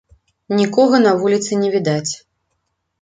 Нікога на вуліцы не відаць.